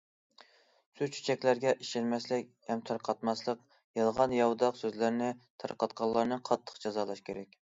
سۆز- چۆچەكلەرگە ئىشەنمەسلىك ھەم تارقاتماسلىق، يالغان- ياۋىداق سۆزلەرنى تارقاتقانلارنى قاتتىق جازالاش كېرەك.